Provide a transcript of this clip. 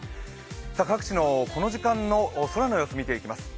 各地のこの時間の空の様子見ていきます。